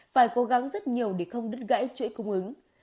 phải cố gắng rất nhiều để không đứt gãy chuỗi cung ứng